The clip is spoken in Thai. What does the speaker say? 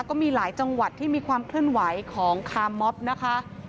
ก็มีหลายจังหวัดที่มีความเคลื่อนไหวของคาร์มอฟนะคะ